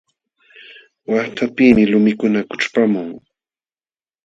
Waqtapiqmi lumikuna kućhpamun.